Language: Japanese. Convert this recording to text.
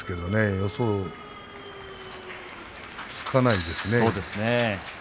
予想がつかないですね。